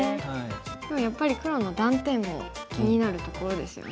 でもやっぱり黒の断点も気になるところですよね。